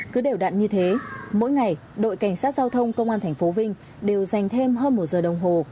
cứ đều đặn như thế mỗi ngày đội cảnh sát giao thông công an thành phố vinh đều dành thêm hơn một giờ đồng hồ